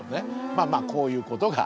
まあまあこういうことがあると。